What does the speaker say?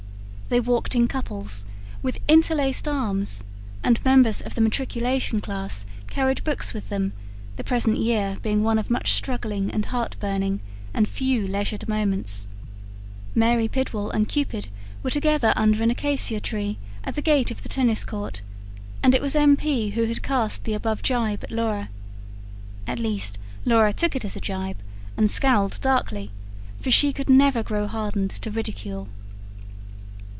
They walked in couples, with interlaced arms; and members of the Matriculation Class carried books with them, the present year being one of much struggling and heartburning, and few leisured moments. Mary Pidwall and Cupid were together under an acacia tree at the gate of the tennis court; and it was M. P. who had cast the above gibe at Laura. At least Laura took it as a gibe, and scowled darkly; for she could never grow hardened to ridicule.